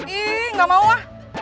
ih gak mau ah